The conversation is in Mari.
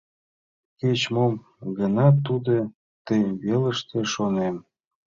— Кеч-мо гынат, тудо ты велыште, шонем.